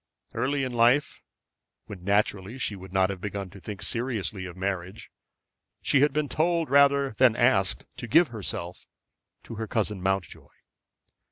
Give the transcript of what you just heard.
Early in life, when naturally she would not have begun to think seriously of marriage, she had been told rather than asked to give herself to her cousin Mountjoy.